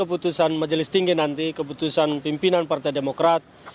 keputusan majelis tinggi nanti keputusan pimpinan partai demokrat